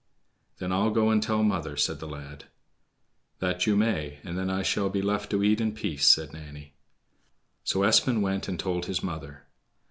"Then I'll go and tell mother," said the lad. "That you may, and then I shall be left to eat in peace," said Nanny. So Espen went and told his mother.